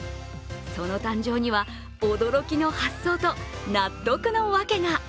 その誕生には、驚きの発想と納得のワケが。